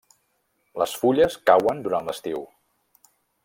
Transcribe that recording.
Les fulles cauen durant l'estiu.